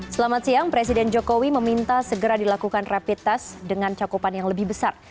selamat siang presiden jokowi meminta segera dilakukan rapid test dengan cakupan yang lebih besar